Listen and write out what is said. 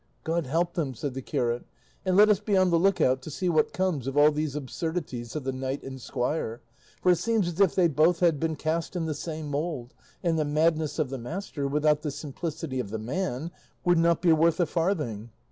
"God help them," said the curate; "and let us be on the look out to see what comes of all these absurdities of the knight and squire, for it seems as if they had both been cast in the same mould, and the madness of the master without the simplicity of the man would not be worth a farthing."